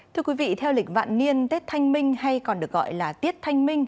thưa quý vị theo lịch vạn niên tết thanh minh hay còn được gọi là tiết thanh minh